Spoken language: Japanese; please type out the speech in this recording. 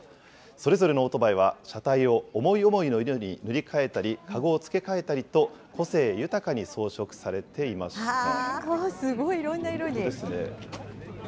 それぞれのオートバイは、車体を思い思いの色に塗り替えたり、籠を付け替えたりと、個性豊かに装すごい、いろんな色に。